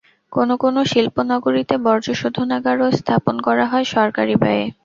কোনো কোনো শিল্পনগরীতে বর্জ্য শোধনাগারও স্থাপন করা হয় সরকারি ব্যয়ে।